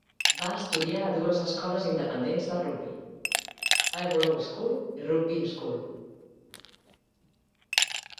Va estudiar a dues escoles independents de Rugby: Hillbrow School i Rugby School.